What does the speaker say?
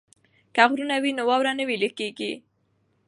که غرونه وي نو واوره نه ویلی کیږي.